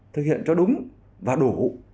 thực hiện cho đúng và đủ